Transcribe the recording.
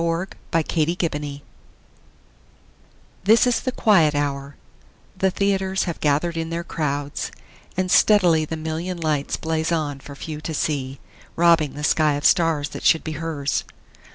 Sara Teasdale Broadway THIS is the quiet hour; the theaters Have gathered in their crowds, and steadily The million lights blaze on for few to see, Robbing the sky of stars that should be hers.